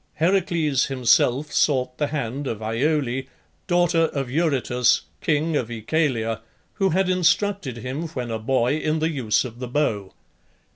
Heracles himself sought the hand of Iole, daughter of Eurytus, king of Oechalia, who had instructed him when a boy in the use of the bow.